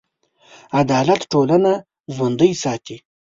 عدالت ټولنه ژوندي ساتي.